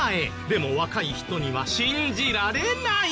でも若い人には信じられない！